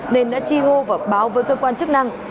nên đã chi hô và báo với cơ quan chức năng